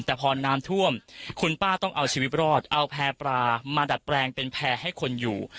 แต่พอน้ำท่วมคุณป้าต้องเอาชีวิตรอดเอาแพร่ปลามาดัดแปลงเป็นแพร่ให้คนอยู่